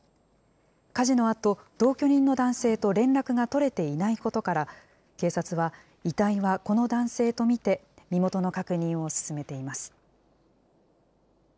火事のあと、同居人の男性と連絡が取れていないことから、警察は遺体はこの男性と見て、身元の確認を進めています。